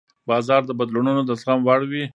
بازار د بدلونونو د زغم وړ وي.